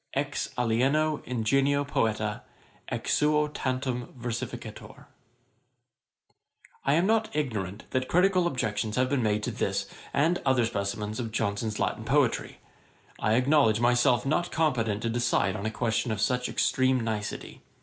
Ex alieno ingenio Poeta, ex suo tantum versificator. [Page 62: Mr. Courtenays eulogy. A.D. 1728.] I am not ignorant that critical objections have been made to this and other specimens of Johnson's Latin Poetry. I acknowledge myself not competent to decide on a question of such extreme nicety.